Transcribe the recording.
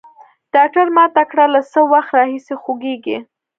ډاکتر ما ته کړه له څه وخت راهيسي خوږېږي.